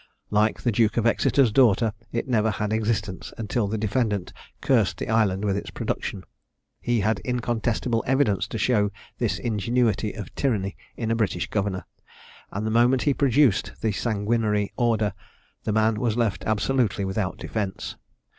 Like the Duke of Exeter's Daughter, it never had existence until the defendant cursed the island with its production. He had incontestible evidence to show this ingenuity of tyranny in a British governor; and the moment he produced the sanguinary order, the man was left absolutely without defence.